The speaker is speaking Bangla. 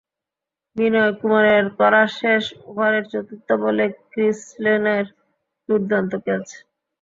বিনয় কুমারের করা শেষ ওভারের চতুর্থ বলে ক্রিস লিনের দুর্দান্ত ক্যাচ।